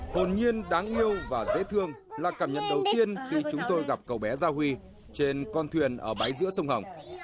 hồn nhiên đáng yêu và dễ thương là cảm nhận đầu tiên khi chúng tôi gặp cậu bé gia huy trên con thuyền ở bãi giữa sông hồng